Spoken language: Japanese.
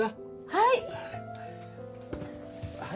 はい。